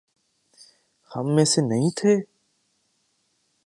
ہم میں سے نہیں تھے؟